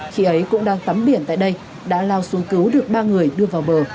khi ấy cũng đang tắm biển tại đây đã lao xuống cứu được ba người đưa vào bờ